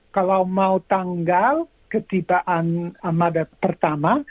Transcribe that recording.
kalau mau tanggal ketibaan amada pertama